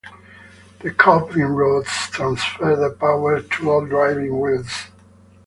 The coupling rods transfer the power to all driving wheels.